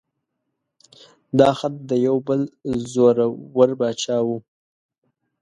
دا خط د یو بل زوره ور باچا و.